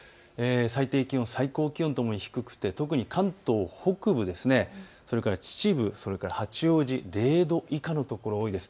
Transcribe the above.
最低気温、最高気温ともに低くて特に関東北部、秩父、八王子、０度以下の所が多いです。